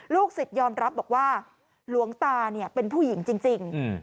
ศิษยอมรับบอกว่าหลวงตาเนี่ยเป็นผู้หญิงจริง